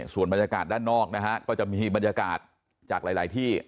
ส่วนบรรยากาศด้านนอกนะฮะก็จะมีบรรยากาศจากหลายที่